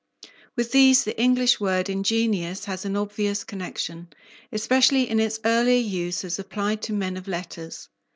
With these the English word ingenious has an obvious connection, especially in its earlier use as applied to men of letters.